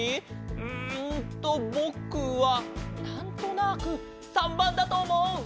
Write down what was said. うんとぼくはなんとなく③ばんだとおもう！